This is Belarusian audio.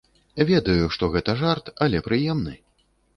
Ведаю, што гэта жарт, але прыемны.